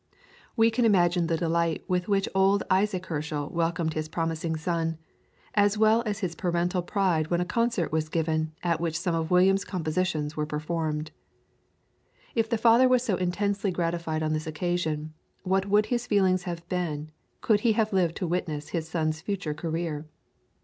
We can imagine the delight with which old Isaac Herschel welcomed his promising son, as well as his parental pride when a concert was given at which some of William's compositions were performed. If the father was so intensely gratified on this occasion, what would his feelings have been could he have lived to witness his son's future career?